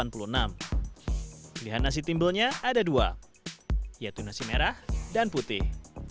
pilihan nasi timbelnya ada dua yaitu nasi merah dan putih